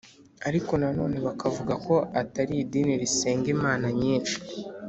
ariko nanone bakavuga ko atari idini risenga imana nyinshi